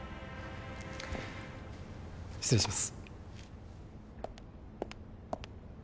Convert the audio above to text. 失礼します。